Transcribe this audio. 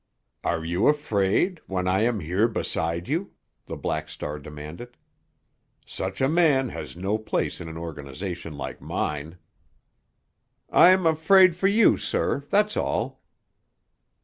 "Are you afraid, when I am here beside you?" the Black Star demanded. "Such a man has no place in an organization like mine." "I'm afraid for you, sir—that's all."